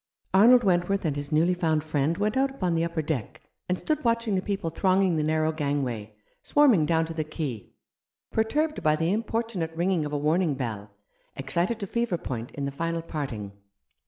Arnold Wentworth and his newly found friend went out upon the upper deck, and stood watching the people thronging the narrow gangway, swarm ing down to the quay, perturbed by the importunate ringing of a warning bell, excited to fever point in the final parting.